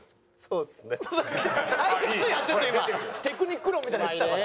テクニック論みたいなの言ってたから。